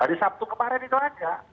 hari sabtu kemarin itu aja